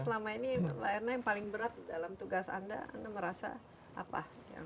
selama ini mbak erna yang paling berat dalam tugas anda anda merasa apa